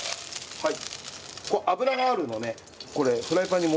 はい。